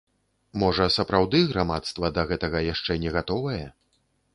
Можа сапраўды грамадства да гэтага яшчэ не гатовае?